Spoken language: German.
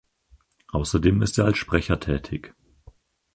Außerdem ist er als Sprecher tätig.